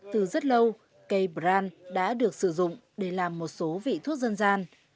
từ rất lâu cây bran đã được sử dụng để làm một số vị thuốc dân gian